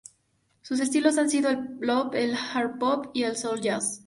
Sus estilos han sido el "bop", el "hard bop" y el "soul jazz".